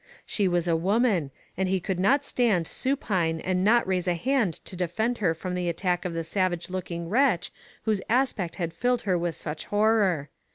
She was a woman, and he could not stand supine and not raise a hand to defend her from the attack of the savage looking wretch whose aspect had filled her with such horror.